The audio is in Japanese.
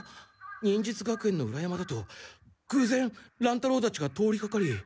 忍術学園の裏山だと偶然乱太郎たちが通りかかり。